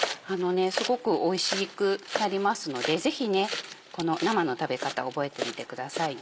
すごくおいしくなりますのでぜひ生の食べ方覚えてみてくださいね。